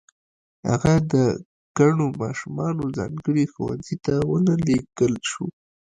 هغه د کڼو ماشومانو ځانګړي ښوونځي ته و نه لېږل شو